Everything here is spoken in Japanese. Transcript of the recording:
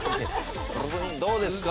どうですか。